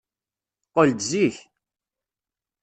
Qqel-d zik!